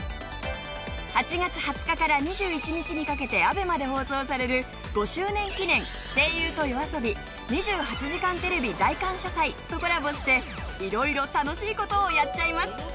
８月２０日から２１日にかけてＡＢＥＭＡで放送される『５周年記念声優と夜あそび２８時間テレビ大感謝祭』とコラボして色々楽しい事をやっちゃいます。